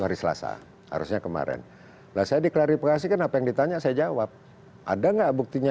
hari selasa harusnya kemarin nah saya diklarifikasi kenapa yang ditanya saya jawab ada nggak buktinya